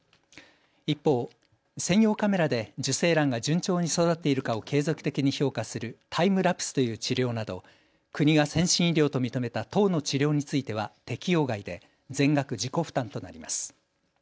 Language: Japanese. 一方、専用カメラで受精卵が順調に育っているかを継続的に評価するタイムラプスという治療など国が先進医療と認めた１０の治療については適用外で全額、自己負担となります。